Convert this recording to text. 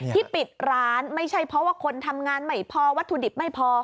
ปิดร้านไม่ใช่เพราะว่าคนทำงานไม่พอวัตถุดิบไม่พอ